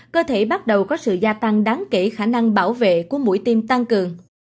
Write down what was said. cơ thể bắt đầu có sự gia tăng đáng kể khả năng bảo vệ của mũi tiêm tăng cường